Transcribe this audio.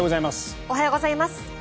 おはようございます。